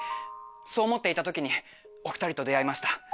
そう思っていた時にお２人と出会いました。